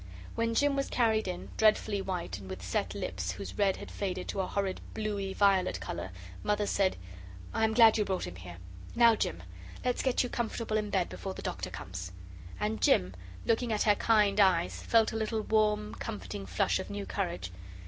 When Jim was carried in, dreadfully white and with set lips whose red had faded to a horrid bluey violet colour, Mother said: "I am glad you brought him here. Now, Jim, let's get you comfortable in bed before the Doctor comes!" And Jim, looking at her kind eyes, felt a little, warm, comforting flush of new courage.